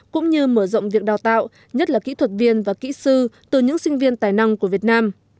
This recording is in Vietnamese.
cũng như mở rộng việc đào tạo nhất là kỹ thuật viên và kỹ sư từ những sinh viên tài năng của việt nam